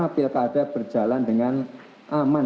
pilkada berjalan dengan aman